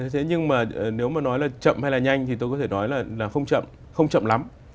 thế nhưng mà nếu mà nói là chậm hay là nhanh thì tôi có thể nói là không chậm không chậm lắm